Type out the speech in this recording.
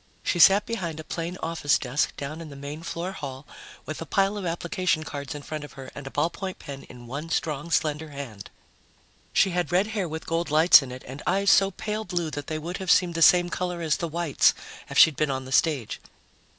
She sat behind a plain office desk down in the main floor hall, with a pile of application cards in front of her and a ballpoint pen in one strong, slender hand. She had red hair with gold lights in it and eyes so pale blue that they would have seemed the same color as the whites if she'd been on the stage.